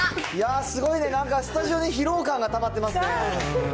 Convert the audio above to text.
すごいね、なんかスタジオに疲労感がたまってますね。